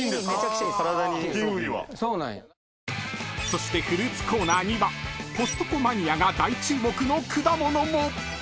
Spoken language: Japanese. ［そしてフルーツコーナーにはコストコマニアが大注目の果物も］